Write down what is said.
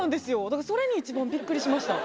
それに一番ビックリしました。